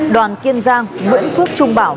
đoàn kiên giang nguyễn phước trung bảo